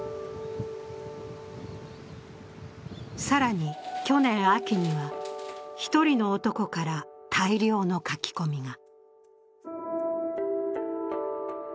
更に去年秋には、１人の男から大量の書き込みが。